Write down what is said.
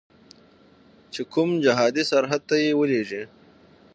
چې کوم جهادي سرحد ته یې ولیږي.